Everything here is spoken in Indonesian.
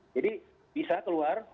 jadi bisa keluar